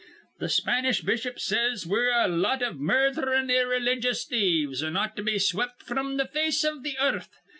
Th' Spanish bishop says we're a lot iv murdherin', irreligious thieves, an' ought to be swept fr'm th' face iv th' earth.